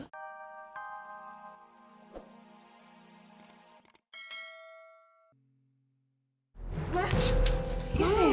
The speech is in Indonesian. sita mama mau pergi